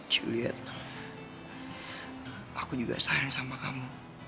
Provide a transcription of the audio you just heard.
julia aku juga sayang sama kamu